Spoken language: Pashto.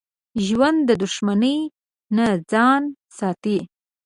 ژوندي د دښمنۍ نه ځان ساتي